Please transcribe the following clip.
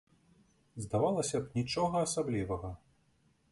Здавалася б, нічога асаблівага.